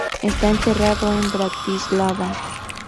Está enterrado en Bratislava.